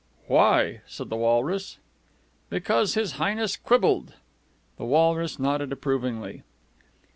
"Why?" said the walrus. "Because His Highness quibbled." The walrus nodded approvingly.